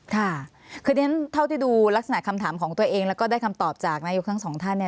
ค่ะคือเรียนเท่าที่ดูลักษณะคำถามของตัวเองแล้วก็ได้คำตอบจากนายกทั้งสองท่าน